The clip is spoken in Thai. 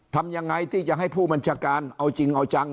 ทำยังไงที่จะให้ผู้บัญชาการเอาจริงเอาจัง